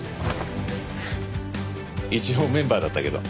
一応メンバーだったけど。